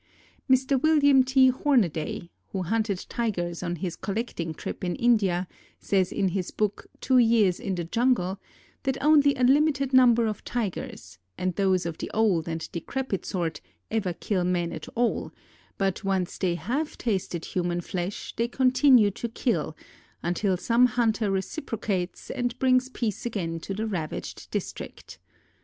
Mr. William T. Hornaday, who hunted Tigers on his collecting trip in India, says in his book, "Two Years in the Jungle," that only a limited number of Tigers, and those of the old and decrepit sort, ever kill men at all, but once they have tasted human flesh they continue to kill until some hunter reciprocates and brings peace again to the ravaged district.